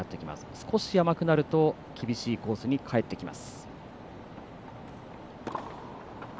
少し甘くなると厳しいコースに返ってきます。